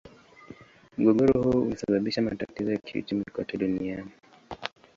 Mgogoro huo ulisababisha matatizo ya kiuchumi kote duniani.